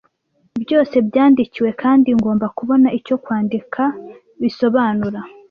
Byose byandikiwe, kandi ngomba kubona icyo kwandika bisobanura.